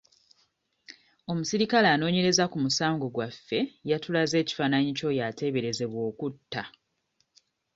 Omuserikale anoonyereza ku musango gwaffe yatulaze ekifaananyi ky'oyo ateeberezebwa okutta.